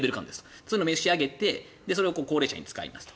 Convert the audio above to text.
それを召し上げてそれを高齢者に使いますと。